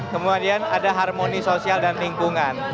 kemudian ada harmoni sosial dan lingkungan